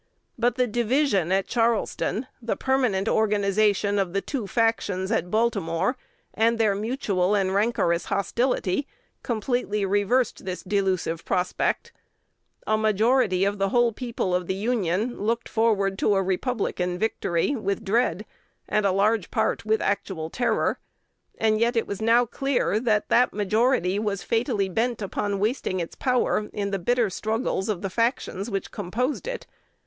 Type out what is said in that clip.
But the division at Charleston, the permanent organization of the two factions at Baltimore, and their mutual and rancorous hostility, completely reversed the delusive prospect. A majority of the whole people of the Union looked forward to a Republican victory with dread, and a large part with actual terror; and yet it was now clear that that majority was fatally bent upon wasting its power in the bitter struggles of the factions which composed it.